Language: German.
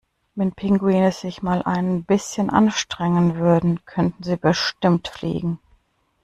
Wenn Pinguine sich mal ein bisschen anstrengen würden, könnten sie bestimmt fliegen!